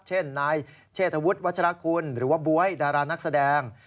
เช่นนายเชษฐวุฒิวัชรคุณหรือว่าบ๊วยดารานักแสดง